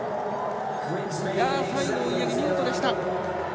最後追い上げ、見事でした。